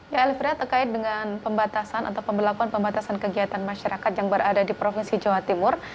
ya elvira terkait dengan pembatasan atau pemberlakuan pembatasan kegiatan masyarakat yang berada di provinsi jawa timur